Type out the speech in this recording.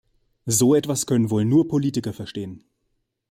So etwas können wohl nur Politiker verstehen.